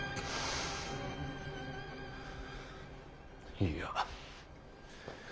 いいや。